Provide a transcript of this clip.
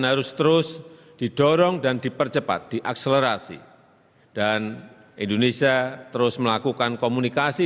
harus terus didorong dan dipercepat diakselerasi dan indonesia terus melakukan komunikasi